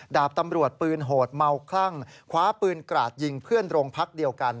ดาบตำรวจปืนโหดเมาคลั่งคว้าปืนกราดยิงเพื่อนโรงพักเดียวกัน